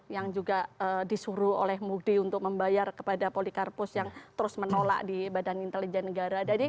yang juga disuruh oleh mukdi untuk membayar kepada polikarpus yang terus menolak di badan intelijen negara